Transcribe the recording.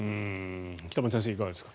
北村先生、いかがですか？